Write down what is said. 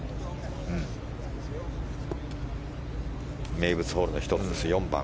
名物ホールの１つ、４番。